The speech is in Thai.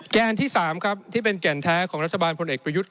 อันที่๓ครับที่เป็นแก่นแท้ของรัฐบาลพลเอกประยุทธ์